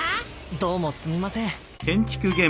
どうもすみません。